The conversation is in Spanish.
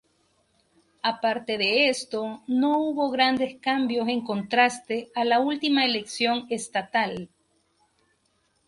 Aparte de esto, no hubo grandes cambios en contraste a la última elección estatal.